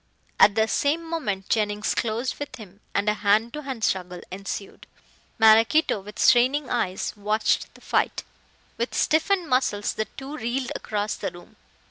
At the same moment Jennings closed with him, and a hand to hand struggle ensued. Maraquito, with straining eyes, watched the fight. With stiffened muscles the two reeled across the room.